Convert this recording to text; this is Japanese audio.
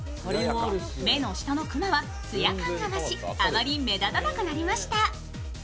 目の下のクマはつや感が増しあまり目立たなくなりました。